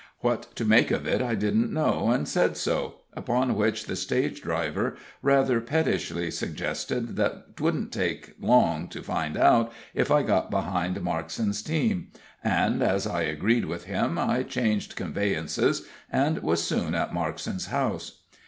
What to make of it I didn't know, and said so, upon which the stage driver rather pettishly suggested that 'twouldn't take long to find out if I got behind Markson's team; and, as I agreed with him, I changed conveyances, and was soon at Markson's house.